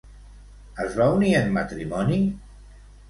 Es va unir en matrimoni?